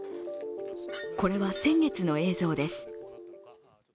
これは先月の映像です。